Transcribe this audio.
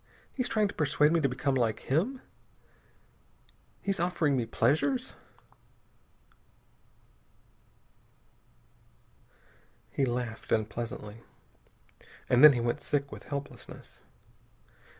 He's trying to persuade me to become like him. He's offering me pleasures!" He laughed unpleasantly. And then he went sick with helplessness.